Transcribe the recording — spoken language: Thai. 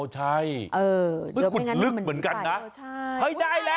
อ๋อใช่คุดลึกเหมือนกันนะให้ได้แล้วโอ้